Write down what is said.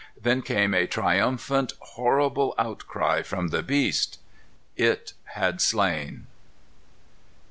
Then came a triumphant, horrible outcry from the beast. It had slain.